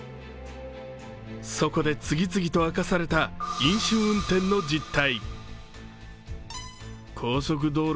そこで次々と明かされた飲酒運転の実態。